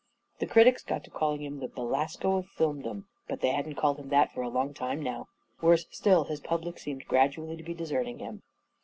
The critics got to calling him the Belasco of Filmdom. But they hadn't called him that for a long time now. Worse still, his pub lic seemed gradually to be deserting him.